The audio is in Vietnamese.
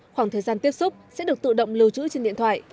khoảng thời gian tiếp xúc sẽ được tự động lưu trữ trên điện thoại